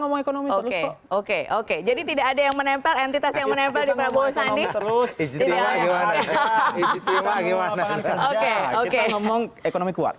oke oke jadi tidak ada yang menempel entitas yang menempel di prabowo sandi terus oke oke